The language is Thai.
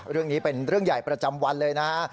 เรื่องนี้เป็นเรื่องใหญ่ประจำวันเลยนะฮะ